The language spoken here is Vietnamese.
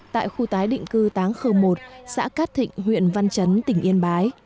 tại khu tái định cư tắng khởi một xã cát thịnh huyện văn chấn tỉnh yên bái